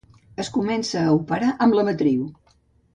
Es comença a operar amb la matriu.